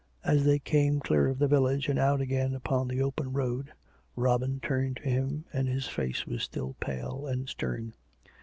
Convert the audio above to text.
As they came clear of the village and out again upon the open road, Robin turned to him, and his face was still pale and stern.